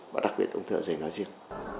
và đặc biệt là ung thư ở dày nói riêng